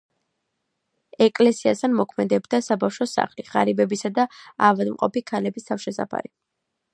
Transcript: ეკლესიასთან მოქმედებდა საბავშვო სახლი, ღარიბებისა და ავადმყოფი ქალების თავშესაფარი.